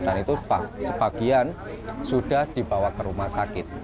dan itu sebagian sudah dibawa ke rumah sakit